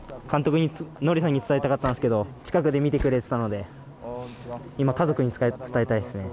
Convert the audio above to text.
監督にノリさんに伝えたかったんですが近くで見てくれていたので今、家族に伝えたいです。